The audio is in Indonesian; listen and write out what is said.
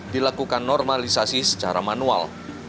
dilakukan normalisasi secara manual